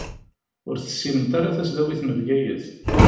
Ur tessinemt ara tasdawit n Bgayet.